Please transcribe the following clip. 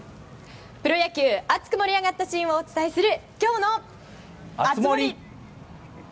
プロ野球熱く盛り上がったシーンをお伝えする、今日の熱盛！